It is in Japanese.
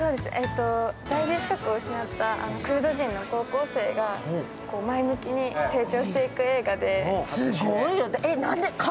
在留資格を失ったクルド人の主人公が前向きに成長していく映画で。